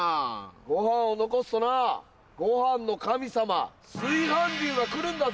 ご飯を残すとなご飯の神様。が来るんだぞ。